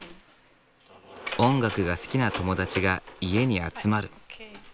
音楽が好きな友達が家に集まる。